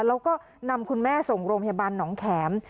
แล้วก็นำคุณแม่ส่งโรงพยาบาลหนองแข็ม